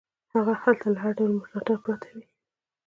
هغه هلته له هر ډول ملاتړ پرته وي.